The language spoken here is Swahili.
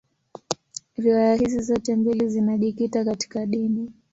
Riwaya hizi zote mbili zinajikita katika dini.